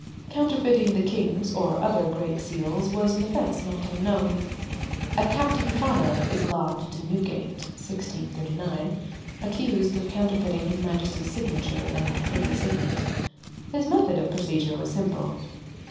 Counterfeiting the king's or other great seals was an offence not unknown. A Captain Farrar is lodged in Newgate (1639), accused of counterfeiting his Majesty's signature and privy signet. His method of procedure was simple.